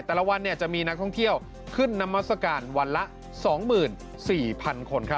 แต่ละวันจะมีนักท่องเที่ยวขึ้นนามัศกาลวันละ๒๔๐๐๐คน